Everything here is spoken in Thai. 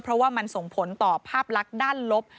เพราะว่ามันส่งผลต่อภาพลักษณ์ด้านลบ